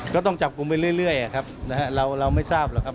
ก็ต้องจับกลุ่มไปเรื่อยครับนะฮะเราไม่ทราบหรอกครับ